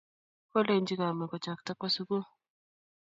kolenchi kame kochakta kowo sukul